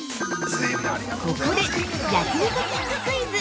◆ここで、焼肉きんぐクイズ。